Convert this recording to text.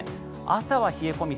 朝は冷え込み